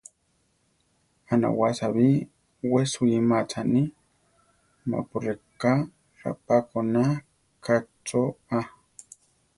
A nawása bi, we suíma aáchani, mapu reká rapákona ka cho aa.